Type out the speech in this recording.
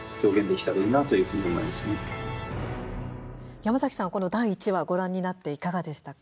山崎さん、第１話ご覧になっていかがでしたか？